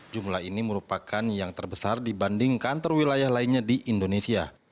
jumlah ini merupakan yang terbesar dibandingkan terwilayah lainnya di indonesia